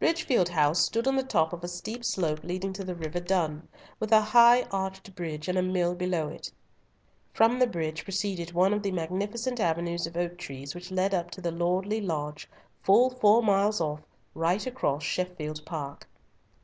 Bridgefield House stood on the top of a steep slope leading to the river Dun, with a high arched bridge and a mill below it. From the bridge proceeded one of the magnificent avenues of oak trees which led up to the lordly lodge, full four miles off, right across Sheffield Park.